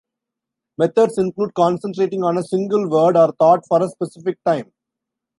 Methods include concentrating on a single word or thought for a specific time.